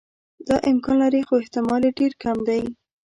دا امکان لري خو احتمال یې ډېر کم دی.